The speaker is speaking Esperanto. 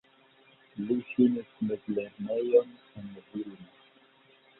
Li finis mezlernejon en Vilno.